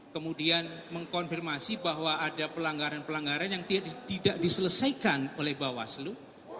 kemudian mengkonfirmasi bahwa ada pelanggaran pelanggaran yang tidak diselesaikan oleh bawaslu